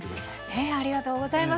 ねえありがとうございます。